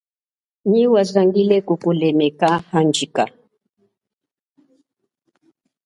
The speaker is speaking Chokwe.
Nyi wazangile kukulemeka, handjika.